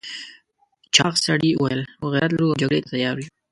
چاغ سړي وویل موږ غيرت لرو او جګړې ته تيار یو.